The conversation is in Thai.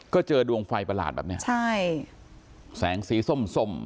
ก็เจอดวงไฟประหลาดแบบนี้แสงสีส้ม